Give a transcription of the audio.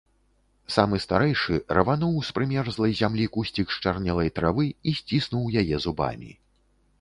Самы старэйшы рвануў з прымерзлай зямлі кусцік счарнелай травы і сціснуў яе зубамі.